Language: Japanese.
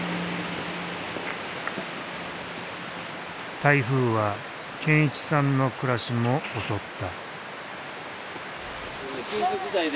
台風は健一さんの暮らしも襲った。